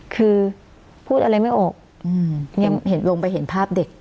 คือพูดอะไรไม่ออกยังเห็นลงไปเห็นภาพเด็ก